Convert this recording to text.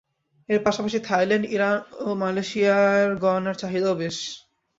এর পাশাপাশি Thailand, Iran ও মালয়েশিয়ার গয়নার চাহিদাও বেশ।